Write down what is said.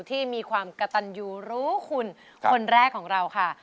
ที่มีความกระตันยูรู้คุณคนแรกของเราค่ะ